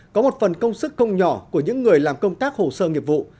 có một phần công sức không nhỏ của những người làm công tác hồ sơ nghiệp vụ